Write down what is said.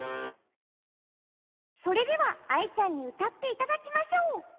それではアイちゃんにうたっていただきましょう。